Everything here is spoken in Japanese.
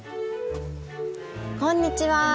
こんにちは。